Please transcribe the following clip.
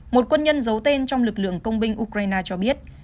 một quân nhân giấu tên trong lực lượng công binh ukraine cho biết